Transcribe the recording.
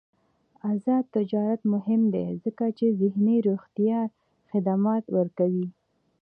آزاد تجارت مهم دی ځکه چې ذهني روغتیا خدمات ورکوي.